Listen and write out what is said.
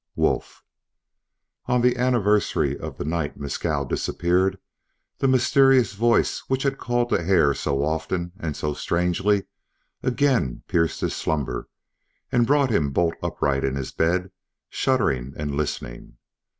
WOLF ON the anniversary of the night Mescal disappeared the mysterious voice which had called to Hare so often and so strangely again pierced his slumber, and brought him bolt upright in his bed shuddering and listening.